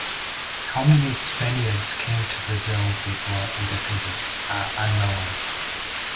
How many Spaniards came to Brazil before independence are unknown.